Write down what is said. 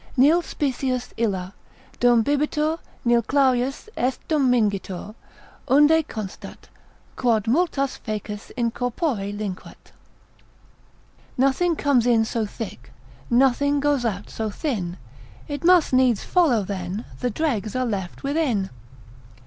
———nil spissius illa Dum bibitur, nil clarius est dum mingitur, unde Constat, quod multas faeces in corpore linquat. Nothing comes in so thick, Nothing goes out so thin, It must needs follow then The dregs are left within.